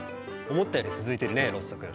思ったより続いてるねロッソ君。